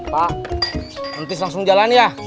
pak nanti langsung jalan ya